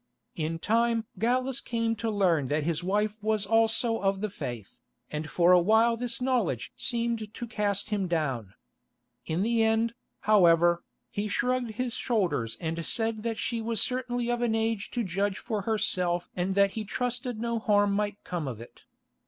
In time Gallus came to learn that his wife was also of the Faith, and for a while this knowledge seemed to cast him down. In the end, however, he shrugged his shoulders and said that she was certainly of an age to judge for herself and that he trusted no harm might come of it.